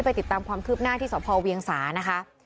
ไปติดตามความคืบหน้าที่สพเวียงสานะคะ